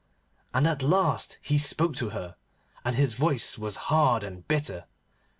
And at last he spoke to her, and his voice was hard and bitter.